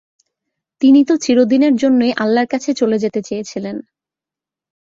তিনি তো চিরদিনের জন্যই ‘আল্লা’র কাছে চলে যেতে চেয়েছিলেন।